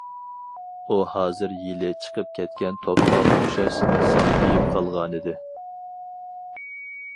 ئۇ ھازىر يىلى چىقىپ كەتكەن توپقا ئوخشاش سالپىيىپ قالغانىدى.